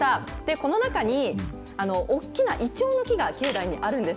この中に、大きなイチョウの木が境内にあるんです。